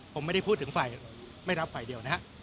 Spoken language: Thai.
ผมไม่ได้พูดถึงฝ่ายไม่รับฝ่ายเดียวนะฮะ